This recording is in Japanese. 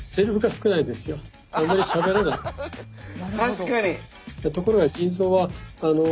確かに。